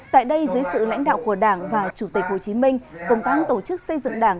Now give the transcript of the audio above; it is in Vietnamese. tại đây dưới sự lãnh đạo của đảng và chủ tịch hồ chí minh công tác tổ chức xây dựng đảng